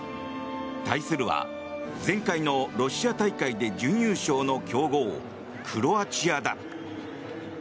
対するは前回のロシア大会で準決勝の強豪、クロアチアだ。